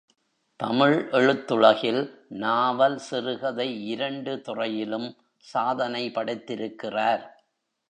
தமிழ் எழுத்துலகில் நாவல், சிறுகதை இரண்டு துறையிலும் சாதனை படைத்திருக்கிறார்.